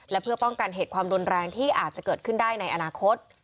และเพื่อป้องกันเหตุความรุนแรงที่อาจจะเกิดขึ้นได้ในอนาคต